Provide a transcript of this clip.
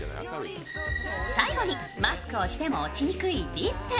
最後に、マスクをしても落ちにくいリップ。